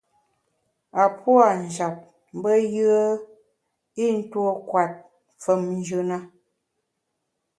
A puâ’ njap mbe yùe i ntuo kwet famnjù na.